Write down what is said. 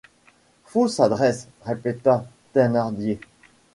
Fausse adresse? répéta Thénardier.